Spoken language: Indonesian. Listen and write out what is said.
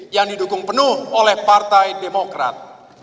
yang didukung penuh oleh partai demokrat